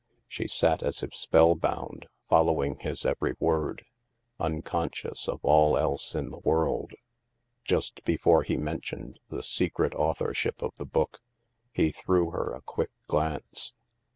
She sat as if spellbound, fol lowing his every word, unconscious of all else in the world. Just before he mentioned the secret authorship of the book, he threw her a quick glance.